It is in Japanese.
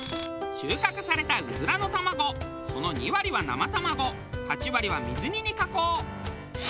収穫されたうずらの卵その２割は生卵８割は水煮に加工。